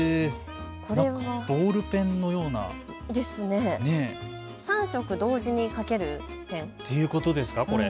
これはボールペンのような３色、同時に書けるペンということでしょうか。